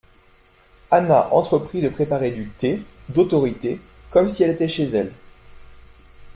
Anna entreprit de préparer du thé, d’autorité, comme si elle était chez elle.